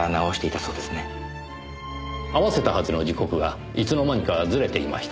合わせたはずの時刻がいつの間にかずれていました。